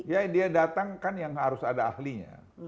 ya dia datang kan yang harus ada ahlinya